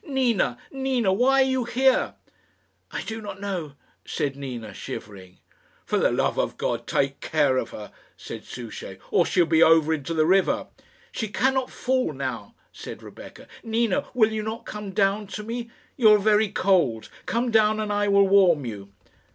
"Nina, Nina why are you here?" "I do not know," said Nina, shivering. "For the love of God take care of her," said Souchey, "or she will be over into the river." "She cannot fall now," said Rebecca. "Nina, will you not come down to me? You are very cold. Come down, and I will warm you."